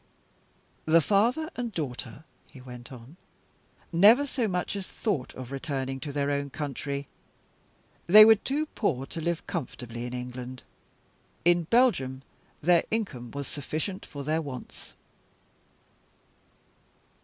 "The father and daughter," he went on, "never so much as thought of returning to their own country. They were too poor to live comfortably in England. In Belgium their income was sufficient for their wants.